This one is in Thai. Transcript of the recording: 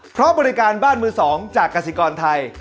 เพราะบริการบ้านมือ๒จากกสิกรไทย